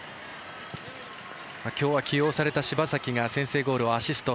今日は起用された柴崎が先制ゴールをアシスト。